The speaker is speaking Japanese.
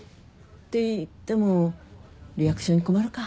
って言ってもリアクションに困るか。